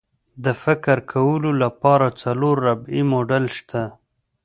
د فکر کولو لپاره څلور ربعي موډل شته.